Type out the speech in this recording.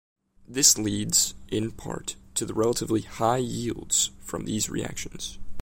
This leads, in part, to relatively high yields from these reactions.